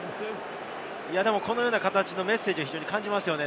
このような形、メッセージを感じますね。